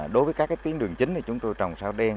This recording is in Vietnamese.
đối với các tuyến đường chính thì chúng tôi trồng sao đen